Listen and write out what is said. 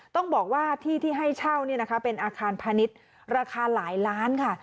ต้องบอกว่าที่ที่ให้เช่าเป็นอาคารพาณิชย์ราคาหลายล้านค่ะ